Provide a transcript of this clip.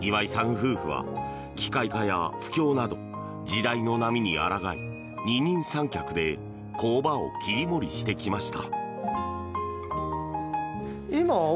夫婦は機械化や不況など時代の波にあらがい二人三脚で工場を切り盛りしてきました。